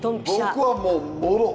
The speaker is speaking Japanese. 僕はもうもろ。